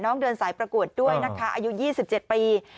เดินสายประกวดด้วยนะคะอายุ๒๗ปี